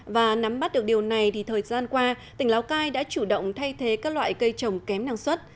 và nắm bắt được điều này thì thời gian qua tỉnh lào cai đã chủ động thay thế các loại cây trồng kém năng suất